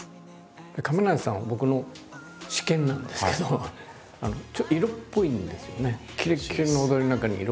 亀梨さんは僕の私見なんですけどちょっと色っぽいんですよね。